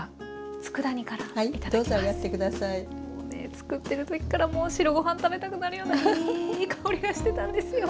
作ってる時からもう白ご飯食べたくなるようないい香りがしてたんですよ。